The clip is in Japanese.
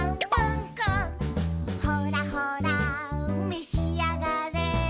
「ほらほらめしあがれ」